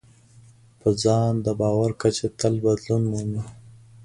په ځان د باور کچه تل بدلون مومي.